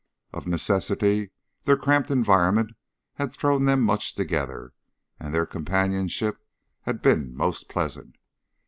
Of necessity their cramped environment had thrown them much together, and their companionship had been most pleasant.